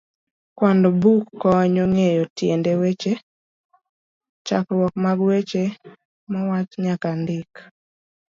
kwand buk konyo Ng'eyo Tiend Weche, chakruok mag weche mowach nyaka ndik.